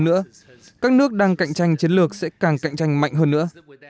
nữa các nước đang cạnh tranh chiến lược sẽ càng cạnh tranh mạnh hơn nữa